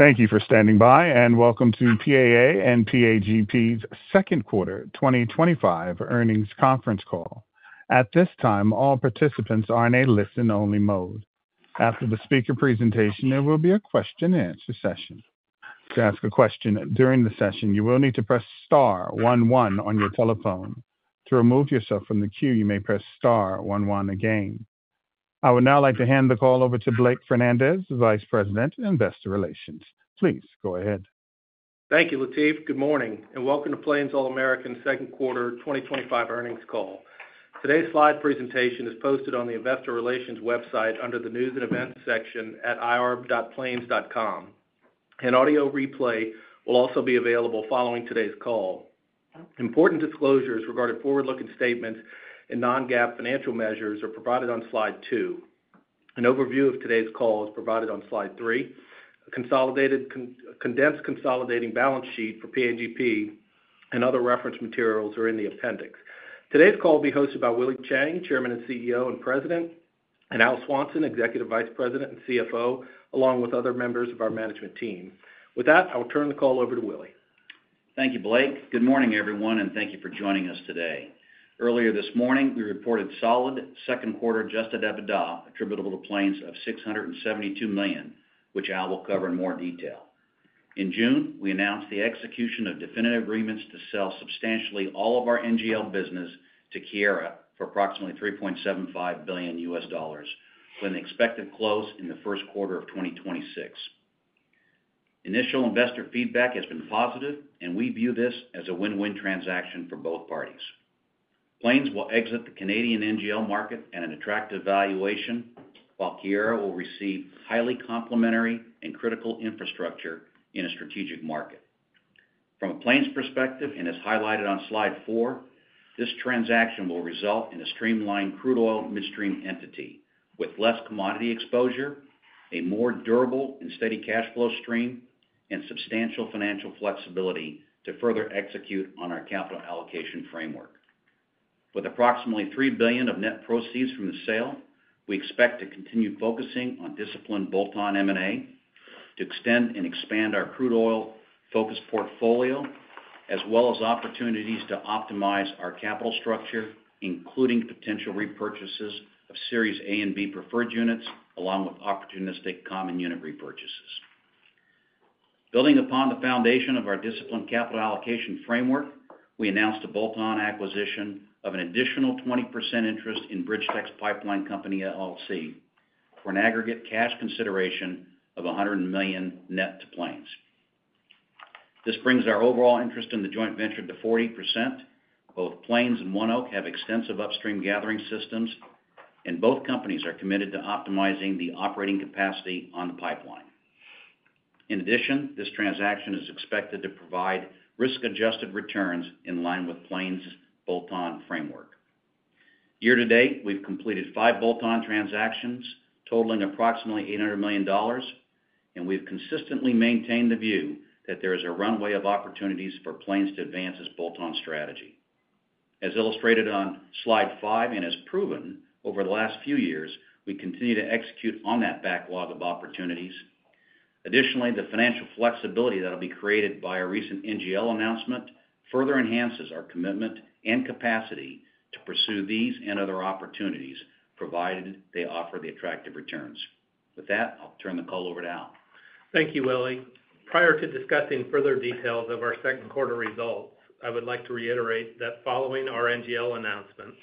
Thank you for standing by and welcome to PAA and PAGP's Second Quarter 2025 Earnings Conference Call. At this time, all participants are in a listen-only mode. After the speaker presentation, there will be a question and answer session. To ask a question during the session, you will need to press star one one on your telephone. To remove yourself from the queue, you may press star one one again. I would now like to hand the call over to Blake Fernandez, Vice President, Investor Relations. Please go ahead. Thank you, Latif. Good morning and welcome to Plains All American's Second Quarter 2025 Earnings Call. Today's slide presentation is posted on the Investor Relations website under the News and Events section at ir.plains.com. An audio replay will also be available following today's call. Important disclosures regarding forward-looking statements and non-GAAP financial measures are provided on slide two. An overview of today's call is provided on slide three. A condensed consolidating balance sheet for PAGP and other reference materials are in the appendix. Today's call will be hosted by Willie Chiang, Chairman and CEO, and President, and Al Swanson, Executive Vice President and CFO, along with other members of our management team. With that, I will turn the call over to Willie. Thank you, Blake. Good morning, everyone, and thank you for joining us today. Earlier this morning, we reported solid second quarter adjusted EBITDA attributable to Plains of $672 million, which Al will cover in more detail. In June, we announced the execution of definitive agreements to sell substantially all of our NGL business to Keyera for approximately $3.75 billion, with an expected close in the First Quarter of 2026. Initial investor feedback has been positive, and we view this as a win-win transaction for both parties. Plains will exit the Canadian NGL market at an attractive valuation, while Keyera will receive highly complementary and critical infrastructure in a strategic market. From a Plains perspective, and as highlighted on slide four, this transaction will result in a streamlined crude oil midstream entity with less commodity exposure, a more durable and steady cash flow stream, and substantial financial flexibility to further execute on our capital allocation framework. With approximately $3 billion of net proceeds from the sale, we expect to continue focusing on disciplined bolt-on M&A to extend and expand our crude oil focused portfolio, as well as opportunities to optimize our capital structure, including potential repurchases of Series A and B preferred units, along with opportunistic common unit repurchases. Building upon the foundation of our disciplined capital allocation framework, we announced a bolt-on acquisition of an additional 20% interest in BridgeTex Pipeline Company LLC for an aggregate cash consideration of $100 million net to Plains. This brings our overall interest in the joint venture to 40%. Both Plains and ONEOK have extensive upstream gathering systems, and both companies are committed to optimizing the operating capacity on the pipeline. In addition, this transaction is expected to provide risk-adjusted returns in line with Plains' bolt-on framework. Year to date, we've completed five bolt-on transactions totaling approximately $800 million, and we've consistently maintained the view that there is a runway of opportunities for Plains to advance its bolt-on strategy. As illustrated on slide five and as proven over the last few years, we continue to execute on that backlog of opportunities. Additionally, the financial flexibility that will be created by our recent NGL announcement further enhances our commitment and capacity to pursue these and other opportunities, provided they offer the attractive returns. With that, I'll turn the call over to Al. Thank you, Willie. Prior to discussing further details of our second quarter results, I would like to reiterate that following our NGL announcement,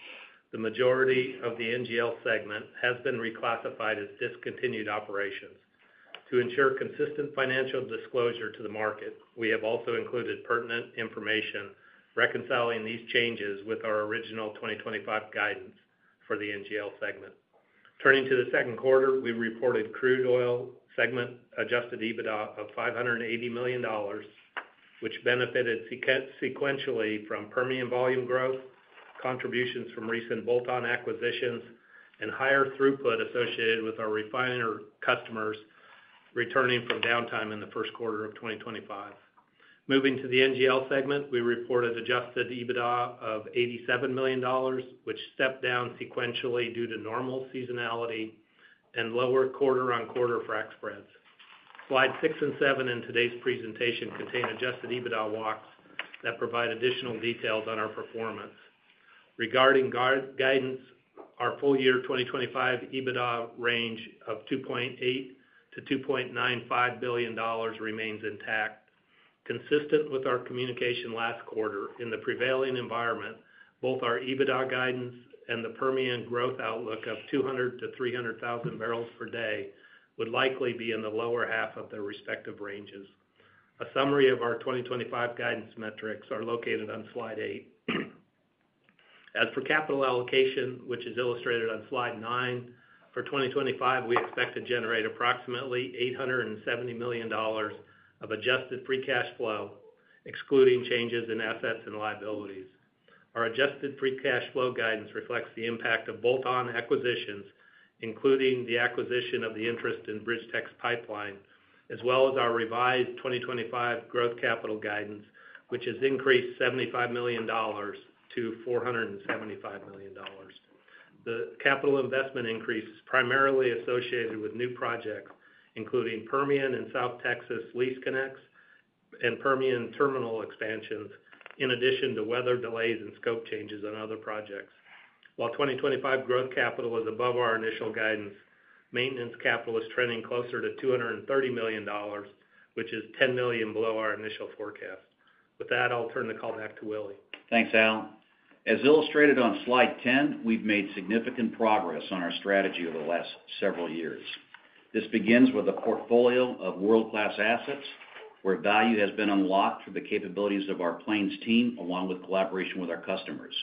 the majority of the NGL segment has been reclassified as discontinued operations. To ensure consistent financial disclosure to the market, we have also included pertinent information reconciling these changes with our original 2025 guidance for the NGL segment. Turning to the second quarter, we reported crude oil segment adjusted EBITDA of $580 million, which benefited sequentially from premium volume growth, contributions from recent bolt-on acquisitions, and higher throughput associated with our refiner customers returning from downtime in the First Quarter of 2025. Moving to the NGL segment, we reported adjusted EBITDA of $87 million, which stepped down sequentially due to normal seasonality and lower quarter on quarter frac spreads. Slides six and seven in today's presentation contain adjusted EBITDA walks that provide additional details on our performance. Regarding guidance, our full-year 2025 EBITDA range of $2.8 billion-$2.95 billion remains intact, consistent with our communication last quarter. In the prevailing environment, both our EBITDA guidance and the Permian growth outlook of 200,000 to 300,000 barrels per day would likely be in the lower half of their respective ranges. A summary of our 2025 guidance metrics is located on slide eight. As for capital allocation, which is illustrated on slide nine, for 2025, we expect to generate approximately $870 million of adjusted free cash flow, excluding changes in assets and liabilities. Our adjusted free cash flow guidance reflects the impact of bolt-on acquisitions, including the acquisition of the interest in BridgeTex Pipeline, as well as our revised 2025 growth capital guidance, which has increased $75 million to $475 million. The capital investment increase is primarily associated with new projects, including Permian and South Texas lease connects and Permian terminal expansions, in addition to weather delays and scope changes on other projects. While 2025 growth capital is above our initial guidance, maintenance capital is trending closer to $230 million, which is $10 million below our initial forecast. With that, I'll turn the call back to Willie. Thanks, Al. As illustrated on slide 10, we've made significant progress on our strategy over the last several years. This begins with a portfolio of world-class assets where value has been unlocked through the capabilities of our Plains team, along with collaboration with our customers.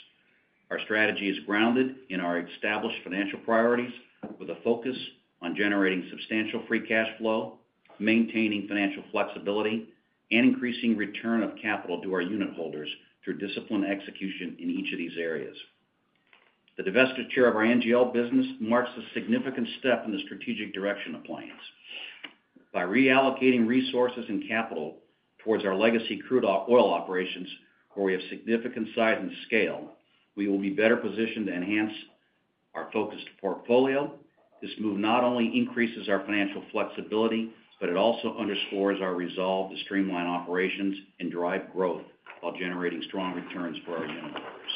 Our strategy is grounded in our established financial priorities, with a focus on generating substantial free cash flow, maintaining financial flexibility, and increasing return of capital to our unitholders through disciplined execution in each of these areas. The divestiture of our NGL business marks a significant step in the strategic direction of Plains. By reallocating resources and capital towards our legacy crude oil operations, where we have significant size and scale, we will be better positioned to enhance our focused portfolio. This move not only increases our financial flexibility, but it also underscores our resolve to streamline operations and drive growth while generating strong returns for our unitholders.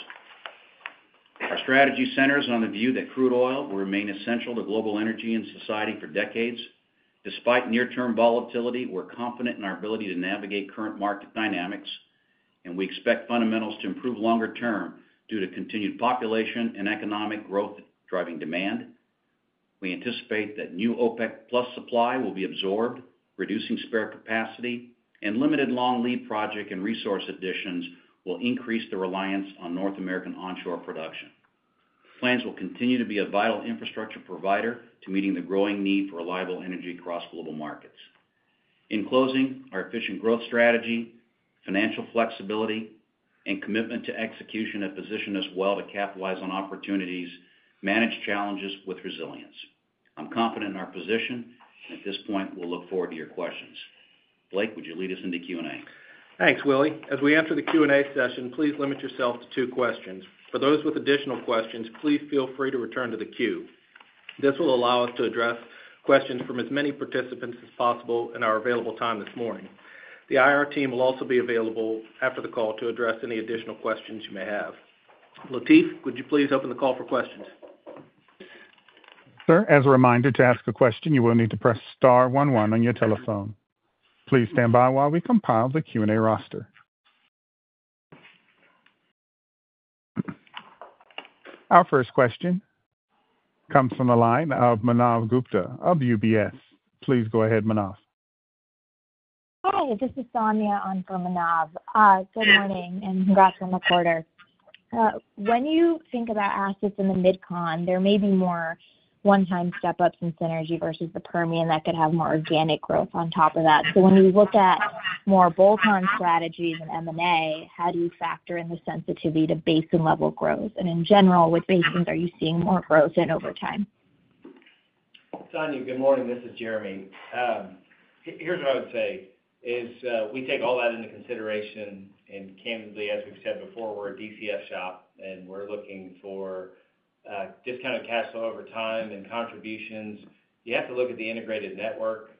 Our strategy centers on the view that crude oil will remain essential to global energy and society for decades. Despite near-term volatility, we're confident in our ability to navigate current market dynamics, and we expect fundamentals to improve longer term due to continued population and economic growth driving demand. We anticipate that new OPEC plus supply will be absorbed, reducing spare capacity, and limited long lead project and resource additions will increase the reliance on North American onshore production. Plains will continue to be a vital infrastructure provider to meeting the growing need for reliable energy across global markets. In closing, our efficient growth strategy, financial flexibility, and commitment to execution have positioned us well to capitalize on opportunities and manage challenges with resilience. I'm confident in our position, and at this point, we'll look forward to your questions. Blake, would you lead us into Q&A? Thanks, Willie. As we enter the Q&A session, please limit yourself to two questions. For those with additional questions, please feel free to return to the queue. This will allow us to address questions from as many participants as possible in our available time this morning. The IR team will also be available after the call to address any additional questions you may have. Latif, would you please open the call for questions? Sir, as a reminder, to ask a question, you will need to press star one one on your telephone. Please stand by while we compile the Q&A roster. Our first question comes from the line of Manav Gupta of UBS. Please go ahead, Manav. Hi, this is Sonya on for Manav. Good morning and congrats on the quarter. When you think about assets in the mid-cons, there may be more one-time step-ups in synergy versus the Permian that could have more organic growth on top of that. When you look at more bolt-on strategies and M&A, how do you factor in the sensitivity to basin-level growth? In general, which basins are you seeing more growth in over time? Sonya, good morning. This is Jeremy. Here's what I would say: we take all that into consideration and candidly, as we've said before, we're a DCF shop and we're looking for discounted cash flow over time and contributions. You have to look at the integrated network.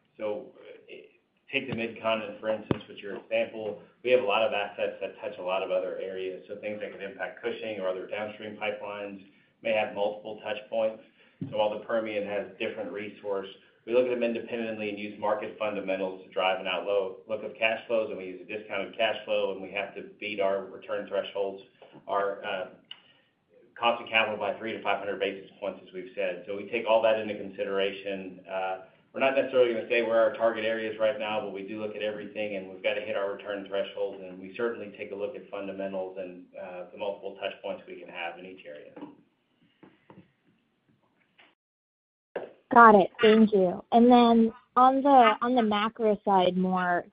Take the mid-con for instance, with your example, we have a lot of assets that touch a lot of other areas. Things that could impact Cushing or other downstream pipelines may have multiple touch points. While the Permian has different resources, we look at them independently and use market fundamentals to drive an outlook of cash flows. We use a discounted cash flow and we have to beat our return thresholds, our cost of capital by 300 to 500 basis points, as we've said. We take all that into consideration. We're not necessarily going to say where our target area is right now, but we do look at everything and we've got to hit our return thresholds and we certainly take a look at fundamentals and the multiple touch points we can have in each area. Got it. Thank you. On the macro side,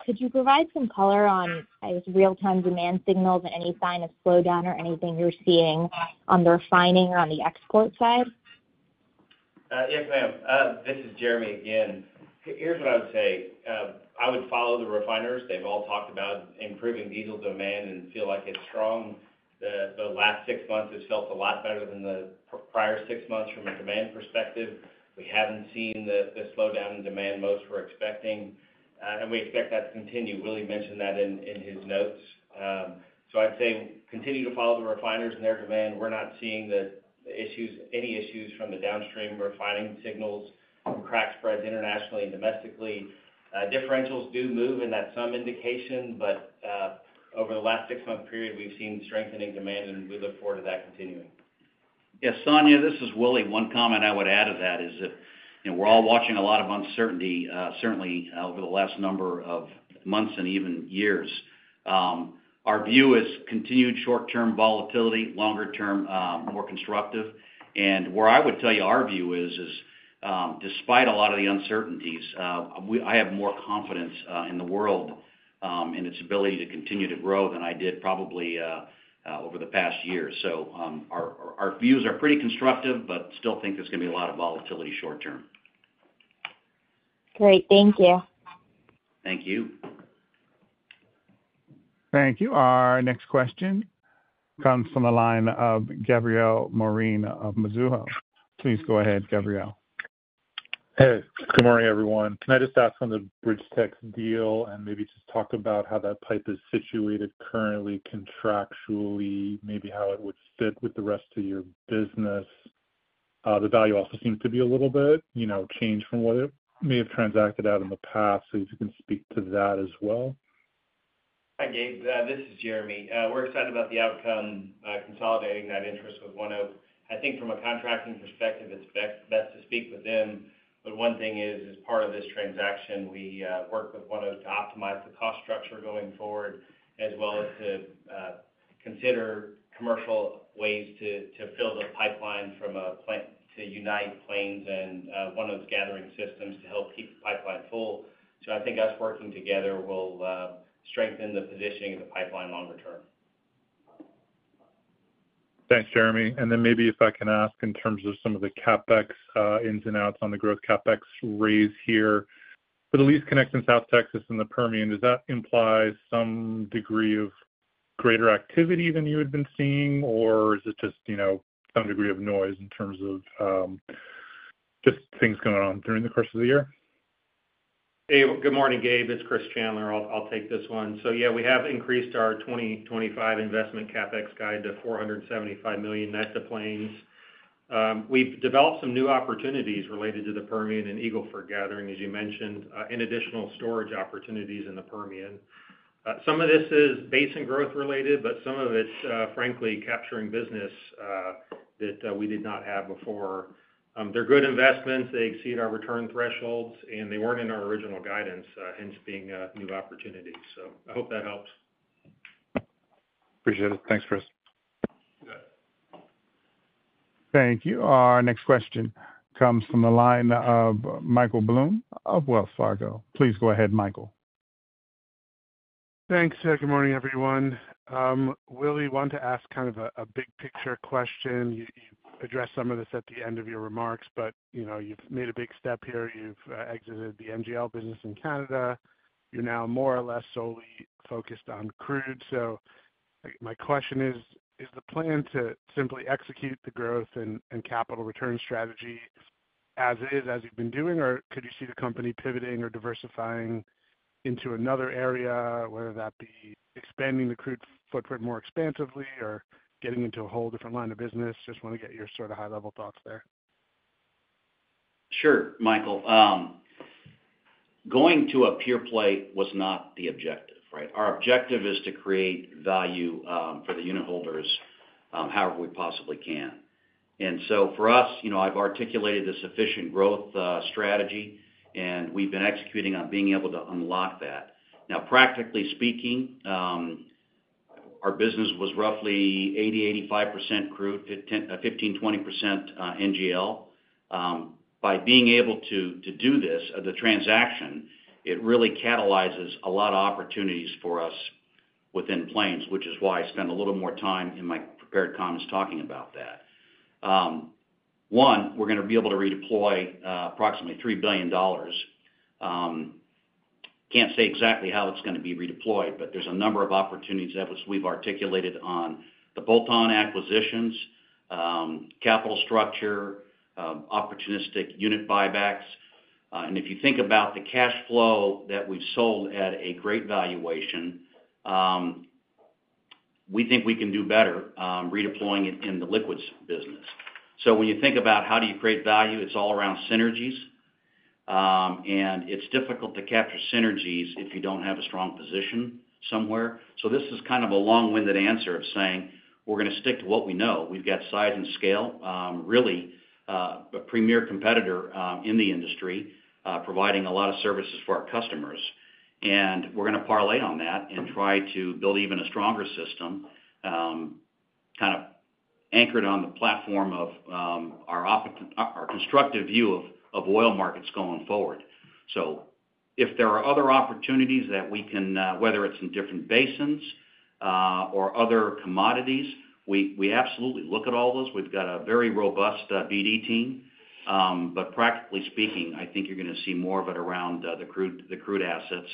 could you provide some color on, I guess, real-time demand signals and any sign of slowdown or anything you're seeing on the refining or on the export side? Yes, ma'am. This is Jeremy again. Here's what I would say. I would follow the refiners. They've all talked about improving diesel demand and feel like it's strong. The last six months have felt a lot better than the prior six months from a demand perspective. We haven't seen the slowdown in demand most were expecting, and we expect that to continue. Willie mentioned that in his notes. I'd say continue to follow the refiners and their demand. We're not seeing the issues, any issues from the downstream refining signals from crack spreads internationally and domestically. Differentials do move and that's some indication, but over the last six-month period, we've seen strengthening demand and we look forward to that continuing. Yes, Sonya, this is Willie. One comment I would add to that is that we're all watching a lot of uncertainty, certainly over the last number of months and even years. Our view is continued short-term volatility, longer-term more constructive. Where I would tell you our view is, despite a lot of the uncertainties, I have more confidence in the world and its ability to continue to grow than I did probably over the past year. Our views are pretty constructive, but still think there's going to be a lot of volatility short term. Great. Thank you. Thank you. Thank you. Our next question comes from the line of Gabriel Moreen of Mizuho. Please go ahead, Gabriel. Hey, good morning, everyone. Can I just ask on the BridgeTex deal and maybe just talk about how that pipe is situated currently contractually, maybe how it would fit with the rest of your business? The value also seems to be a little bit, you know, changed from what it may have transacted at in the past. If you can speak to that as well. Hi, Gabe. This is Jeremy. We're excited about the outcome consolidating that interest with ONEOK. I think from a contracting perspective, it's best to speak within. One thing is, as part of this transaction, we worked with ONEOK to optimize the cost structure going forward, as well as to consider commercial ways to fill the pipeline from a plan to unite Plains and ONEOK's gathering systems to help keep the pipeline full. I think us working together will strengthen the positioning of the pipeline longer term. Thanks, Jeremy. Maybe if I can ask in terms of some of the CapEx ins and outs on the growth CapEx raised here, for the lease connecting South Texas and the Permian, does that imply some degree of greater activity than you had been seeing, or is it just some degree of noise in terms of just things going on during the course of the year? Hey, good morning, Gabe. This is Chris Chandler. I'll take this one. We have increased our 2025 investment CapEx guide to $475 million net to Plains. We've developed some new opportunities related to the Permian and Eagle Fork gathering, as you mentioned, in additional storage opportunities in the Permian. Some of this is basin growth related, but some of it's, frankly, capturing business that we did not have before. They're good investments. They exceed our return thresholds, and they weren't in our original guidance, hence being a new opportunity. I hope that helps. Appreciate it. Thanks, Chris. Thank you. Our next question comes from the line of Michael Blum of Wells Fargo. Please go ahead, Michael. Thanks. Good morning, everyone. Willie, I want to ask kind of a big picture question. You addressed some of this at the end of your remarks, but you've made a big step here. You've exited the NGL business in Canada. You're now more or less solely focused on crude. My question is, is the plan to simply execute the growth and capital return strategy as is, as you've been doing, or could you see the company pivoting or diversifying into another area, whether that be expanding the crude footprint more expansively or getting into a whole different line of business? Just want to get your sort of high-level thoughts there. Sure, Michael. Going to a pure play was not the objective, right? Our objective is to create value for the unitholders however we possibly can. For us, you know, I've articulated this efficient growth strategy, and we've been executing on being able to unlock that. Practically speaking, our business was roughly 80% to 85% crude, 15% to 20% NGL. By being able to do this, the transaction, it really catalyzes a lot of opportunities for us within Plains, which is why I spent a little more time in my prepared comments talking about that. One, we're going to be able to redeploy approximately $3 billion. Can't say exactly how it's going to be redeployed, but there's a number of opportunities that we've articulated on the bolt-on acquisitions, capital structure, opportunistic unit buybacks. If you think about the cash flow that we sold at a great valuation, we think we can do better redeploying it in the liquids business. When you think about how do you create value, it's all around synergies, and it's difficult to capture synergies if you don't have a strong position somewhere. This is kind of a long-winded answer of saying we're going to stick to what we know. We've got size and scale, really a premier competitor in the industry, providing a lot of services for our customers. We're going to parlay on that and try to build even a stronger system, kind of anchored on the platform of our constructive view of oil markets going forward. If there are other opportunities that we can, whether it's in different basins or other commodities, we absolutely look at all those. We've got a very robust BD team. Practically speaking, I think you're going to see more of it around the crude assets.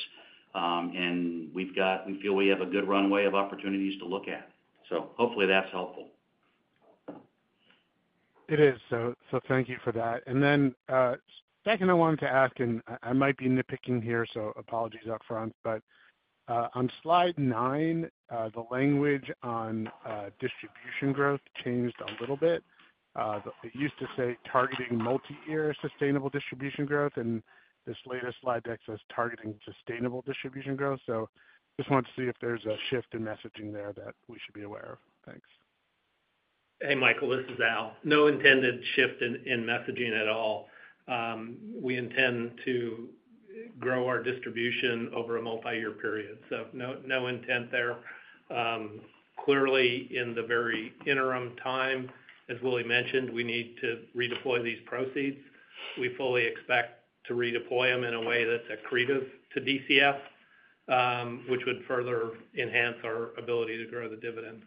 We feel we have a good runway of opportunities to look at. Hopefully that's helpful. Thank you for that. I wanted to ask, and I might be nitpicking here, so apologies up front, but on slide nine, the language on distribution growth changed a little bit. It used to say targeting multi-year sustainable distribution growth, and this latest slide deck says targeting sustainable distribution growth. I just wanted to see if there's a shift in messaging there that we should be aware of. Thanks. Hey, Michael. This is Al. No intended shift in messaging at all. We intend to grow our distribution over a multi-year period. No intent there. Clearly, in the very interim time, as Willie mentioned, we need to redeploy these proceeds. We fully expect to redeploy them in a way that's accretive to DCF, which would further enhance our ability to grow the dividend.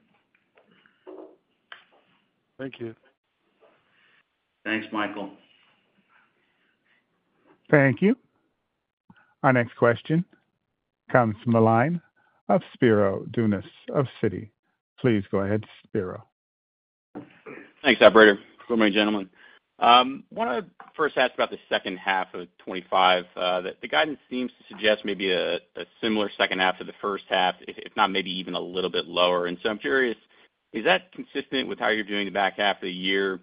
Thank you. Thanks, Michael. Thank you. Our next question comes from the line of Spiro Dounis of Citi. Please go ahead, Spiro. Thanks, operator. Good morning, gentlemen. I want to first ask about the second half of 2025. The guidance seems to suggest maybe a similar second half to the first half, if not maybe even a little bit lower. I'm curious, is that consistent with how you're doing the back half of the year?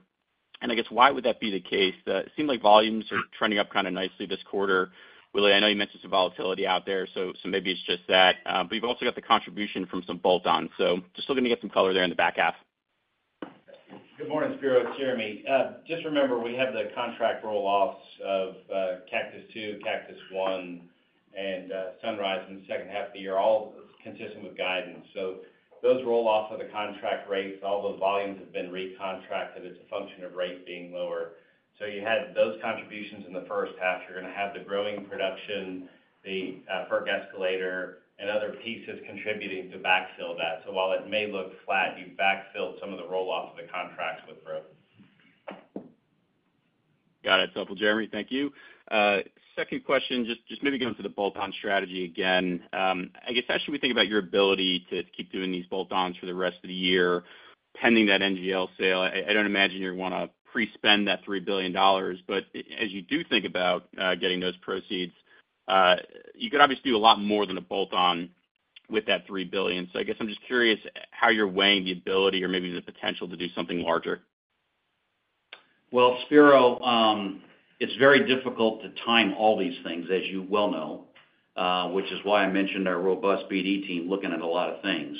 I guess, why would that be the case? It seemed like volumes are trending up kind of nicely this quarter. Willie, I know you mentioned some volatility out there, maybe it's just that. You've also got the contribution from some bolt-on acquisitions. I'm just looking to get some color there in the back half. Good morning, Spiro. It's Jeremy. Just remember, we have the contract roll-offs of Cactus II, Cactus I, and Sunrise in the second half of the year, all consistent with guidance. Those roll-offs of the contract rate, all those volumes have been recontracted as a function of rate being lower. You had those contributions in the first half. You're going to have the growing production, the FERC escalator, and other pieces contributing to backfill that. While it may look flat, you've backfilled some of the roll-offs of the contracts with growth. Got it. Simple, Jeremy. Thank you. Second question, just maybe going to the bolt-on strategy again. I guess, as we think about your ability to keep doing these bolt-ons for the rest of the year, pending that NGL sale, I don't imagine you want to pre-spend that $3 billion. As you do think about getting those proceeds, you could obviously do a lot more than a bolt-on with that $3 billion. I guess I'm just curious how you're weighing the ability or maybe the potential to do something larger. Spiro, it's very difficult to time all these things, as you well know, which is why I mentioned our robust BD team looking at a lot of things.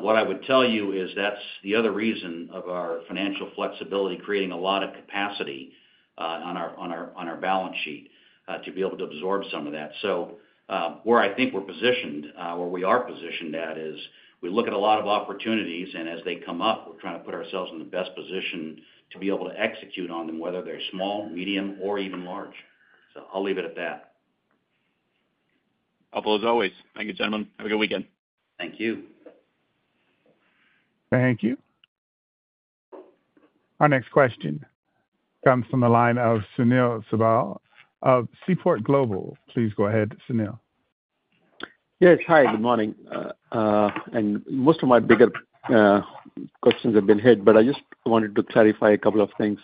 What I would tell you is that's the other reason of our financial flexibility, creating a lot of capacity on our balance sheet to be able to absorb some of that. Where I think we're positioned, where we are positioned at is we look at a lot of opportunities, and as they come up, we're trying to put ourselves in the best position to be able to execute on them, whether they're small, medium, or even large. I'll leave it at that. Helpful as always. Thank you, gentlemen. Have a good weekend. Thank you. Thank you. Our next question comes from the line of Sunil Sibal of Seaport Global. Please go ahead, Sunil. Yes, hi, good morning. Most of my bigger questions have been hit, but I just wanted to clarify a couple of things.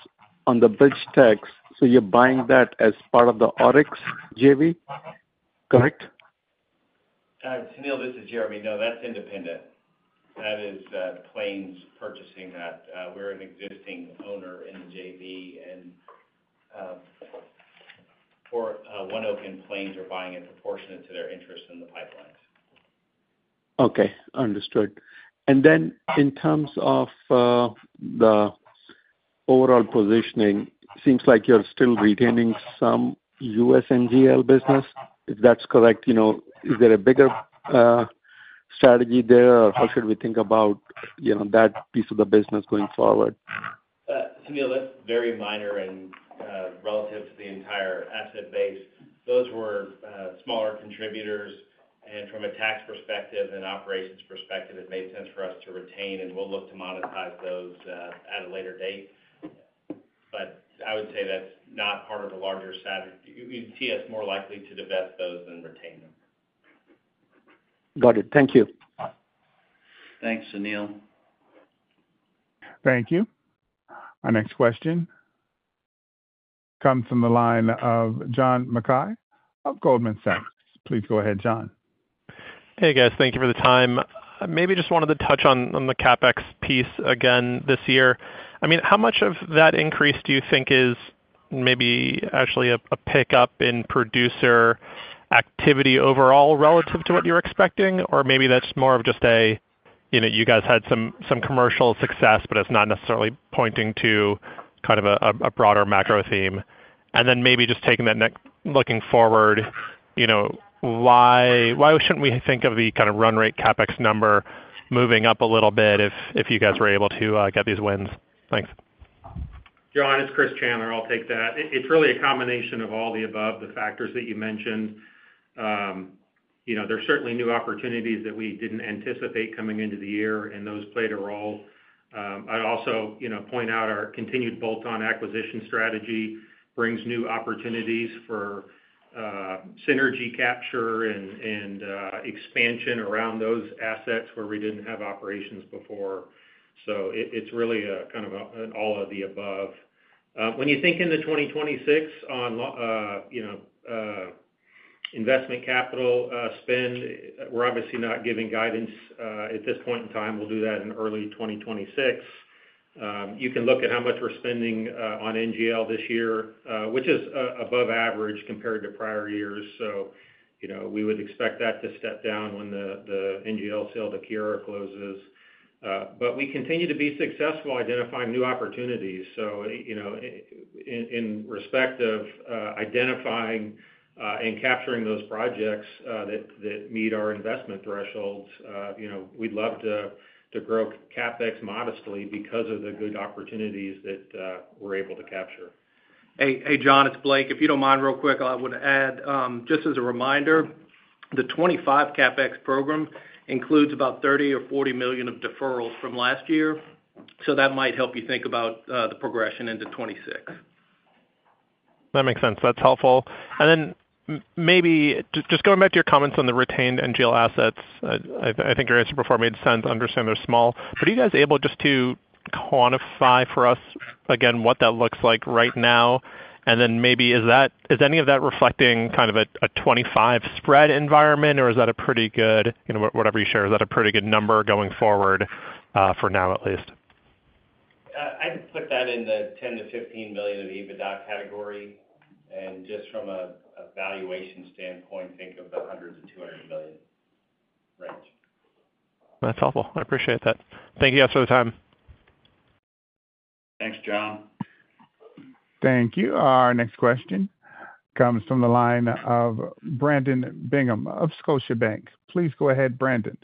On the BridgeTex, you're buying that as part of the ORIX JV, correct? Sunil, this is Jeremy. No, that's independent. That is Plains purchasing that. We're an existing owner in the JV, and ONEOK and Plains are buying it proportionate to their interest in the pipelines. Okay. Understood. In terms of the overall positioning, it seems like you're still retaining some U.S. NGL business. If that's correct, is there a bigger strategy there, or how should we think about that piece of the business going forward? Sunil, that's very minor and relative to the entire asset base. Those were smaller contributors. From a tax perspective and operations perspective, it made sense for us to retain, and we'll look to monetize those at a later date. I would say that's not part of the larger strategy. You see us more likely to divest those than retain them. Got it. Thank you. Thanks, Sunil. Thank you. Our next question comes from the line of John Mackay of Goldman Sachs. Please go ahead, John. Hey, guys. Thank you for the time. Maybe just wanted to touch on the CapEx piece again this year. How much of that increase do you think is maybe actually a pickup in producer activity overall relative to what you're expecting? Or maybe that's more of just a, you know, you guys had some commercial success, but it's not necessarily pointing to kind of a broader macro theme. Maybe just taking that next, looking forward, you know, why shouldn't we think of the kind of run rate CapEx number moving up a little bit if you guys were able to get these wins? Thanks. John, it's Chris Chandler. I'll take that. It's really a combination of all the above, the factors that you mentioned. There's certainly new opportunities that we didn't anticipate coming into the year, and those played a role. I'd also point out our continued bolt-on acquisition strategy brings new opportunities for synergy capture and expansion around those assets where we didn't have operations before. It's really kind of an all of the above. When you think in the 2026 on investment capital spend, we're obviously not giving guidance at this point in time. We'll do that in early 2026. You can look at how much we're spending on NGL this year, which is above average compared to prior years. We would expect that to step down when the NGL sale to Keyera closes. We continue to be successful identifying new opportunities. In respect of identifying and capturing those projects that meet our investment thresholds, we'd love to grow CapEx modestly because of the good opportunities that we're able to capture. Hey, John, it's Blake. If you don't mind, real quick, I would add, just as a reminder, the 2025 CapEx program includes about $30 million or $40 million of deferrals from last year. That might help you think about the progression into 2026. That makes sense. That's helpful. Maybe just going back to your comments on the retained NGL assets, I think your answer before made sense to understand they're small. Are you guys able just to quantify for us, again, what that looks like right now? Is any of that reflecting kind of a 2025 spread environment, or is that a pretty good, you know, whatever you share, is that a pretty good number going forward for now at least? I'd put that in the $10 million-$15 million of EBITDA category. Just from a valuation standpoint, think of that. That's helpful. I appreciate that. Thank you guys for the time. Thanks, John. Thank you. Our next question comes from the line of Brandon Bingham of Scotiabank. Please go ahead, Brandon.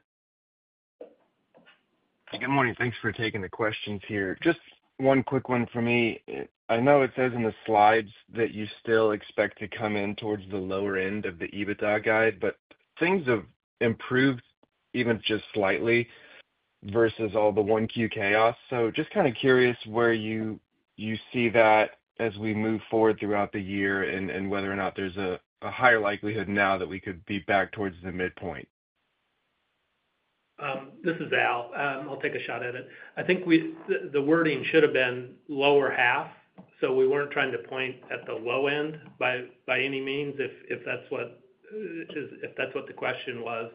Hey, good morning. Thanks for taking the questions here. Just one quick one for me. I know it says in the slides that you still expect to come in towards the lower end of the EBITDA guide, but things have improved even just slightly versus all the 1-Q chaos. Just kind of curious where you see that as we move forward throughout the year and whether or not there's a higher likelihood now that we could be back towards the midpoint. This is Al. I'll take a shot at it. I think the wording should have been lower half. We weren't trying to point at the low end by any means if that's what the question was.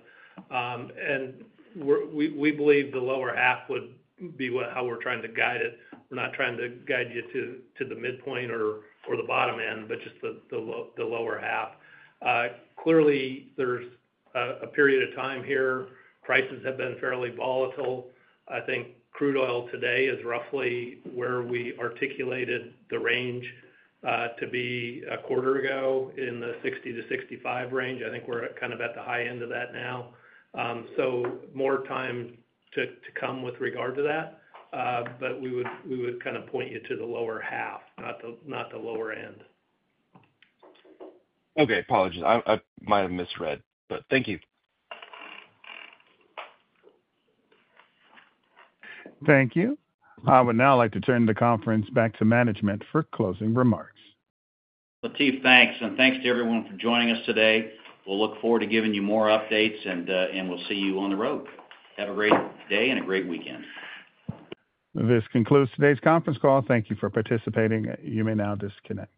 We believe the lower half would be how we're trying to guide it. We're not trying to guide you to the midpoint or the bottom end, just the lower half. Clearly, there's a period of time here. Prices have been fairly volatile. I think crude oil today is roughly where we articulated the range to be a quarter ago in the $60-$65 range. I think we're kind of at the high end of that now. More time to come with regard to that. We would kind of point you to the lower half, not the lower end. Okay. Apologies. I might have misread, but thank you. Thank you. I would now like to turn the conference back to management for closing remarks. Latif, thanks. Thanks to everyone for joining us today. We look forward to giving you more updates, and we'll see you on the road. Have a great day and a great weekend. This concludes today's conference call. Thank you for participating. You may now disconnect.